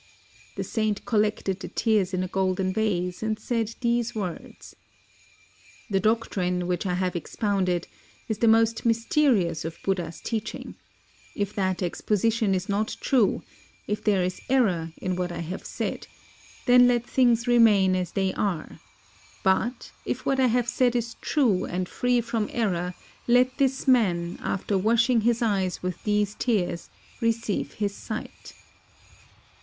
The saint collected the tears in a golden vase, and said these words: "The doctrine which I have expoimded is the most mysterious of Buddha's teaching; if that expo 96 THE ROCK EDICTS OF ASOKA sition is not true, if there is error in what I have said, then let things remain as they are; but, if what I have said is true and free from error, let this man, after wash ing his eyes with these tears, receive his sight."